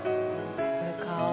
これ買おう。